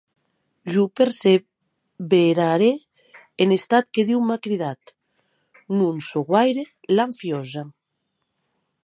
Jo perseverarè en estat que Diu m’a cridat; non sò guaire lanfiosa.